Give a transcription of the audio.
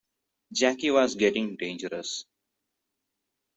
Jaikie was getting dangerous.